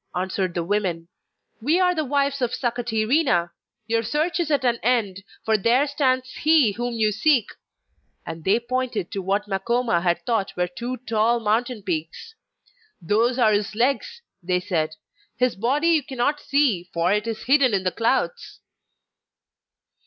answered the women. 'We are the wives of Sakatirina; your search is at an end, for there stands he whom you seek!' And they pointed to what Makoma had thought were two tall mountain peaks. 'Those are his legs,' they said; 'his body you cannot see, for it is hidden in the clouds.